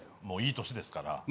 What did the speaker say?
もういい年ですから。